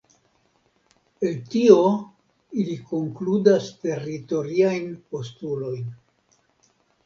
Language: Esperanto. El tio ili konkludas teritoriajn postulojn.